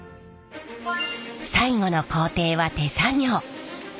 最後の工程は手作業。